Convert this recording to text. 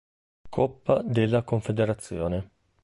Coppa della Confederazione